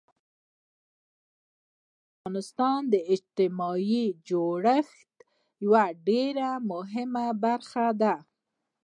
مېوې د افغانستان د اجتماعي جوړښت یوه ډېره مهمه برخه ده.